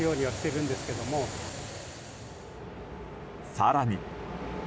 更に。